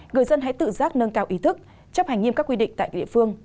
người dân hãy tự giác nâng cao ý thức chấp hành nghiêm các quy định tại địa phương